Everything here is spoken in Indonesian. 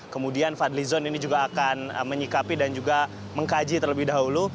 kemudian fadlizon ini juga akan menyikapi dan juga mengkaji terlebih dahulu